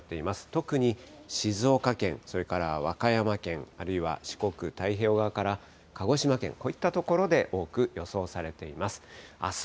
特に静岡県、それから和歌山県、あるいは四国、太平洋側から鹿児島県、こういった所で多く予想されています。